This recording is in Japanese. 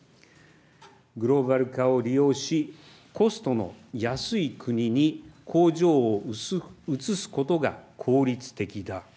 グローバル化を利用し、コストの安い国に工場を移すことが効率的だ。